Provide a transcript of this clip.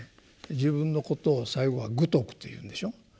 自分のことを最後は愚禿と言うでしょ。